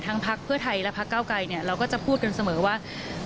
ทั้งภักดิ์เพื่อไทยและภักดิ์เก้าไกรเนี่ยเราก็จะพูดกันเสมอว่า